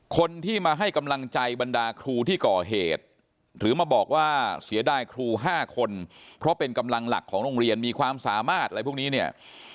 คนที่มาให้กำลังใจบรรดาครูที่ก่อเหตุหรือมาบอกว่าเสียดายครู๕คนเพราะเป็นกำลังหลักของโรงเรียนมีความสามารถอะไรพวกนี้เนี่ย